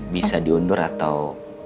bisa diundur atau